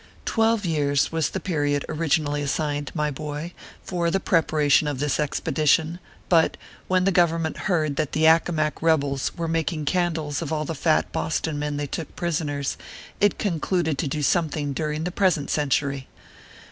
Twelve years was the period originally assigned, my boy, for the preparation of this Expedition ; but, when the gov ernment heard that the Accomac rebels were making candles of all the fat Boston men they took prisoners, it ORPHEUS C. KERR PAPERS. 137 concluded to do something during the present century.